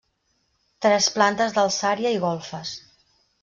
Tres plantes d'alçària i golfes.